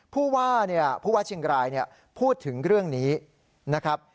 พูดว่าเชียงรายพูดถึงเรื่องนี้นะครับ